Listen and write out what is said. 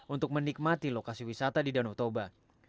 untuk menikmati lokasi wisata di danau toba